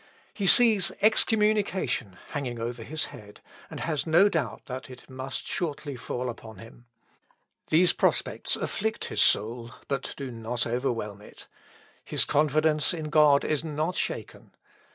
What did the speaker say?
He sees excommunication hanging over his head, and has no doubt that it must shortly fall upon him. These prospects afflict his soul, but do not overwhelm it. His confidence in God is not shaken.